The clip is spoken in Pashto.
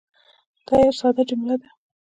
دا یوه ساده جمله ده.